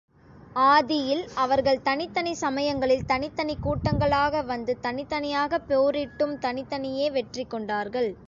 ஆதியில் அவர்கள் தனித்தனி சமயங்களில் தனித் தனிக் கூட்டங்களாக வந்து தனித் தனியாகப் போரிட்டும் தனித்தனியே வெற்றி கொண்டார்கள்.